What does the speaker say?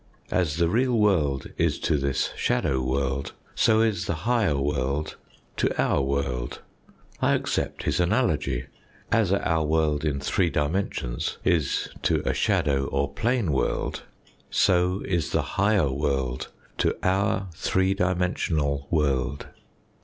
As the real world is to this shadow world, so is the higher world to our world. I accept his analogy. As our world in three dimensions is to a shadow or plane world, so is the higher world to our three dimensional world.